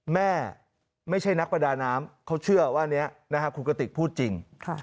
แม่ไม่ใช่นักประดาน้ำเขาเชื่อว่านี้นะครับคุณกะติกพูดจริง